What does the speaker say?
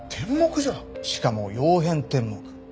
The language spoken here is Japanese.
しかも曜変天目。